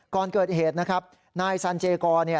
ก่อนเกิดเหตุนะครับนายสันเจกรเนี่ย